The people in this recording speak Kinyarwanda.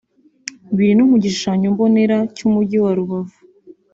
biri no mu gishushanyombonera cy’umujyi wa Rubavu